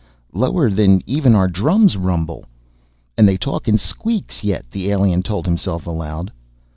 Lower than even our drums' rumble." "And they talk in squeaks yet!" the alien told himself aloud.